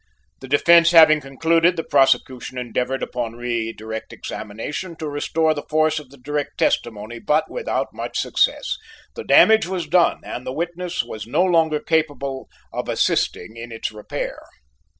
The defence having concluded, the prosecution endeavored upon re direct examination to restore the force of the direct testimony, but without much success; the damage was done, and the witness was no longer capable of assisting in its repair.